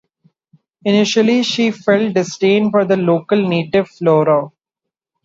Initially she felt disdain for the local native flora.